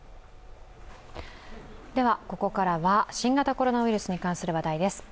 では、ここからは新型コロナウイルスに関する話題です。